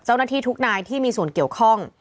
เจ้าหน้าที่ทุกนายที่มีส่วนเกี่ยวข้อง